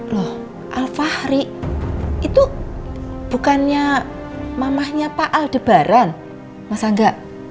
loh alfahri itu bukannya mamahnya pak aldebaran masa enggak